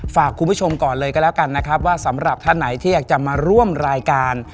ฝากคุณผู้ชมก่อนเลยก็แล้วกันนะครับว่าสำหรับท่านไหนที่อยากจะมาร่วมรายการ